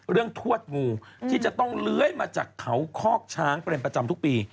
ทวดงูที่จะต้องเลื้อยมาจากเขาคอกช้างเป็นประจำทุกปี